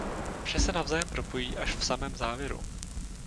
Vše se navzájem propojí až v samém závěru.